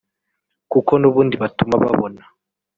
kuko n’ubundi batuma babona